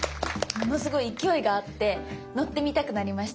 ものすごい勢いがあって乗ってみたくなりました。